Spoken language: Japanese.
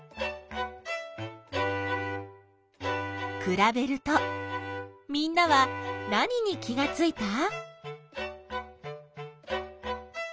くらべるとみんなは何に気がついた？